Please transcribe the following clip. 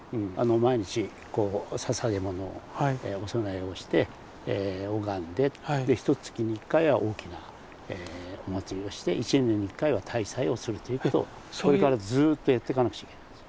毎日捧げものをお供えをして拝んでひとつきに一回は大きなお祭りをして一年に一回は大祭をするということをこれからずっとやってかなくちゃいけないんですよ。